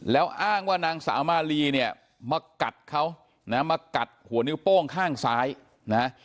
แล้วอ้างว่านางสาวมาลีเนี่ยมากัดเขานะมากัดหัวนิ้วโป้งข้างซ้ายนะ